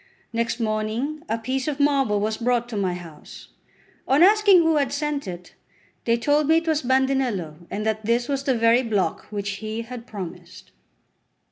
Next morning a piece of marble was brought to my house. On asking who had sent it, they told me it was Bandinello, and that this was the very block which he had promised.